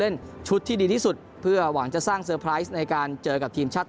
เล่นชุดที่ดีที่สุดเพื่อหวังจะสร้างเซอร์ไพรส์ในการเจอกับทีมชาติ